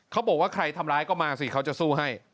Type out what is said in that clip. เขาบอกว่าใครทำร้ายก็มาสิเขาจะสู้ให้